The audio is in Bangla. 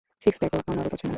সিক্স প্যাকও আমারও পছন্দ না।